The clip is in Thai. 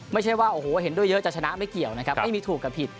ไม่ใช่ว่าโอ้โหเห็นด้วยเยอะจะชนะไม่เกี่ยวนะครับไม่มีถูกกับผิด